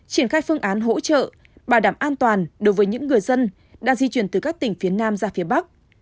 triển khai phương án hỗ trợ bảo đảm an toàn đối với những người dân đang di chuyển từ các tỉnh phía nam ra phía bắc